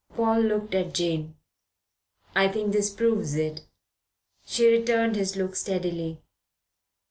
Paul looked at Jane. "I think this proves it." She returned his look steadily.